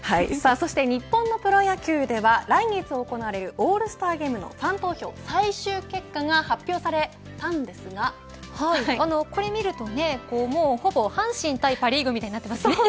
日本のプロ野球では来月行われるオールスターゲームのファン投票最終結果が発表されたんですがこれ、見るともうほぼ阪神対パ・リーグみたいになってますね。